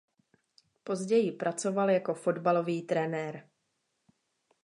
Později pracoval jako fotbalový trenér.